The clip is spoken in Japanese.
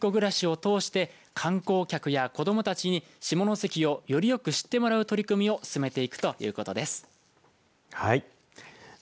ぐらしを通して観光客や子どもたちに下関をよりよく知ってもらおうという取り組みを進めるということです。